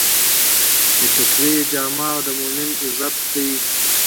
د تقوی جامه د مؤمن عزت دی.